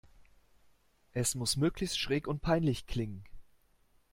Es muss möglichst schräg und peinlich klingen.